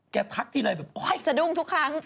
ทักทีไรแบบโอ๊ยสะดุ้งทุกครั้ง